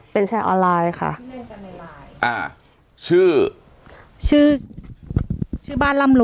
เป็นแชร์ออนไลน์ค่ะชื่อชื่อชื่อบ้านร่ำรวย